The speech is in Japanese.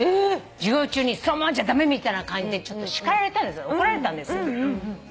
授業中にそのままじゃ駄目みたいな感じでちょっと叱られたんです怒られたんです。